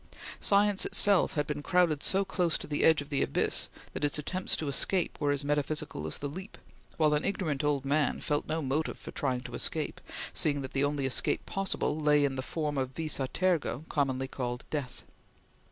Science itself had been crowded so close to the edge of the abyss that its attempts to escape were as metaphysical as the leap, while an ignorant old man felt no motive for trying to escape, seeing that the only escape possible lay in the form of vis a tergo commonly called Death.